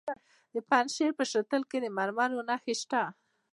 د پنجشیر په شتل کې د مرمرو نښې شته.